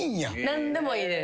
何でもいいです。